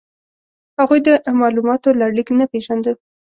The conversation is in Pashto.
هغوی د مالوماتو لړلیک نه پېژانده.